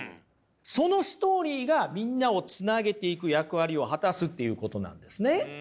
そのストーリーがみんなをつなげていく役割を果たすっていうことなんですね。